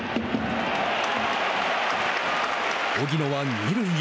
荻野は二塁へ。